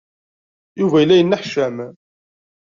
Yuba yella yenneḥcam.